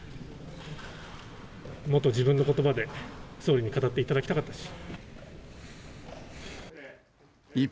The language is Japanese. もっと自分のことばで総理に語っていただきたかったです。